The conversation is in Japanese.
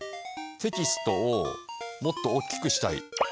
テキストをもっと大きくしたい。